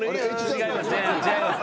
違います。